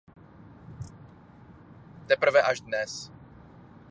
Teprve až dnes.